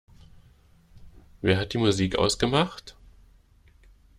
Wer hat die Musik ausgemacht?